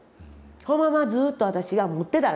このままずっと私が持ってたら。